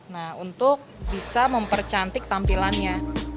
nah untuk bisa mempercantik tampilannya